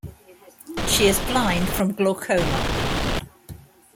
She is blind from glaucoma.